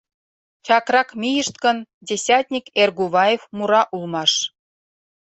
Чакрак мийышт гын, десятник Эргуваев мура улмаш: